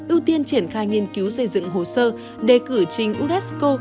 ưu tiên triển khai nghiên cứu xây dựng hồ sơ đề cử trình unesco